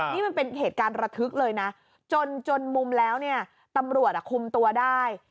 นี่มันเป็นเหตุการณ์ระทึกเลยนะจนมุมแล้วเนี่ยตำรวจคุมตัวได้